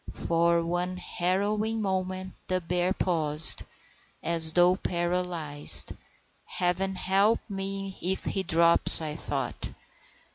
For one harrowing moment the bear paused, as though paralyzed. Heaven help me if he drops, I thought.